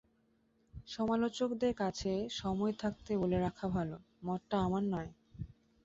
সমালোচকদের কাছে সময় থাকতে বলে রাখা ভালো, মতটা আমার নয়।